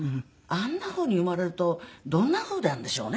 あんなふうに生まれるとどんなふうなんでしょうね？